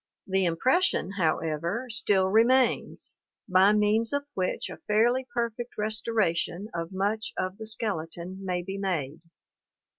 The impression, however, still remains, by means of which a fairly perfect restoration of much of the skeleton may be made.